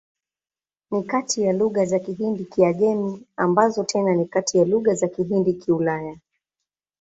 Ni kati ya lugha za Kihindi-Kiajemi, ambazo tena ni kati ya lugha za Kihindi-Kiulaya.